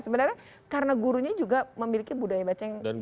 sebenarnya karena gurunya juga memiliki budaya baca yang